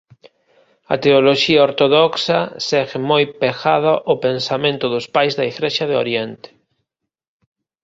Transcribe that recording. A teoloxía ortodoxa segue moi pegada ao pensamento dos Pais da Igrexa de Oriente.